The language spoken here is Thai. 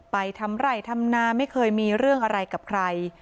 ไปทำไหล่ทำนาไม่เคยมีเรื่องอะไรกับใคร